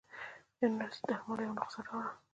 يوې نرسې د درملو يوه نسخه راوړه.